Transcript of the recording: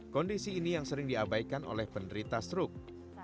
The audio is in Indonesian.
kondisi ini yang sering diabaikan oleh penderita stroke